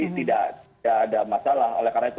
tidak ada masalah oleh karena itu